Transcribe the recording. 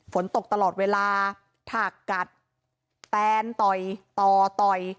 ฝนตกตลอดเวลาถากกัดแตนต่อยต่อต่อย